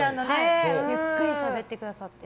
ゆっくりしゃべってくださって。